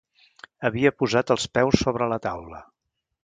Havia posat els peus sobre la taula.